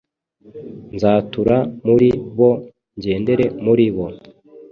Nzatura muri bo, ngendere muri bo